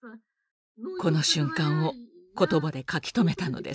この瞬間を言葉で書き留めたのです。